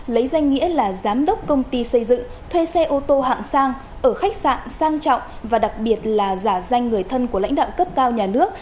lấy danh nghĩa là giám đốc công ty xây dựng thuê xe ô tô hạng sang ở khách sạn sang trọng và đặc biệt là giả danh người thân của lãnh đạo cấp cao nhà nước